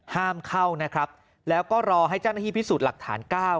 ห้ามเข้านะครับแล้วก็รอให้เจ้าหน้าที่พิสูจน์หลักฐาน๙